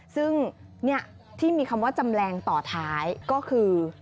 ซึ่งที่มีคำว่าจำแรงต่อท้ายก็คือ